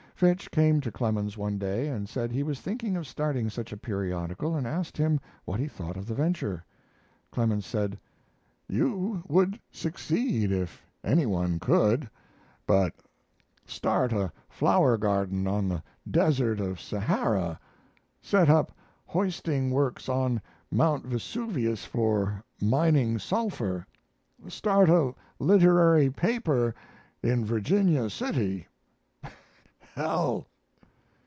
Fitch came to Clemens one day and said he was thinking of starting such a periodical and asked him what he thought of the venture. Clemens said: "You would succeed if any one could, but start a flower garden on the desert of Sahara; set up hoisting works on Mount Vesuvius for mining sulphur; start a literary paper in Virginia City; h l!"